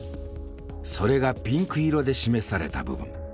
それがピンク色で示された部分。